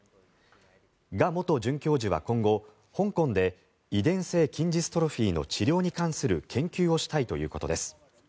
ガ元准教授は今後、香港で遺伝性筋ジストロフィーの治療に関する研究をしたいということです。